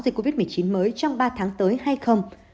dịch covid một mươi chín mới trong ba tháng tới hay không